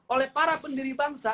oleh para pendiri bangsa